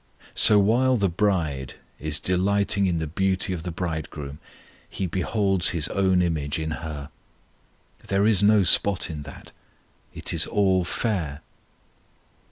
So while the bride is delighting in the beauty of the Bridegroom He beholds His own image in her; there is no spot in that: it is all fair.